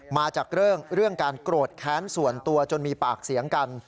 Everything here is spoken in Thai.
มาจากเรื่องการโกรธแค้นส่วนตัวจนมีปากเสียงกัน